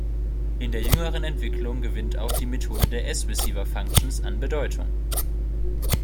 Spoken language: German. In der jüngeren Entwicklung gewinnt auch die Methode der S-Receiver Functions an Bedeutung.